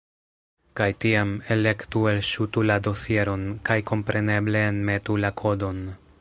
Kaj tiam, elektu "Elŝutu la dosieron", kaj kompreneble, enmetu la kodon.